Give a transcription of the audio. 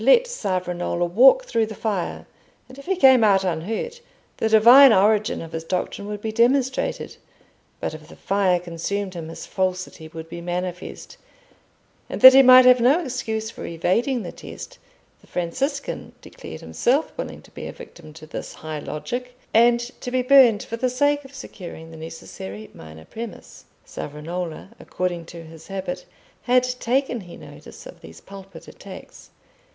Let Savonarola walk through the fire, and if he came out unhurt, the Divine origin of his doctrine would be demonstrated; but if the fire consumed him, his falsity would be manifest; and that he might have no excuse for evading the test, the Franciscan declared himself willing to be a victim to this high logic, and to be burned for the sake of securing the necessary minor premiss. Savonarola, according to his habit, had taken no notice of these pulpit attacks.